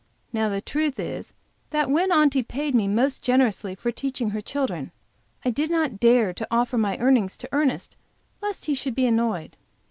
Now the truth is that when Aunty paid me most generously for teaching her children, I did not dare to offer my earnings to Ernest, lest he should be annoyed.